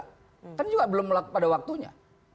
kan juga belum pada waktunya